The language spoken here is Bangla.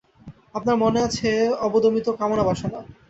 আপনার মনে আছে অবদমিত কামনা-বাসনা।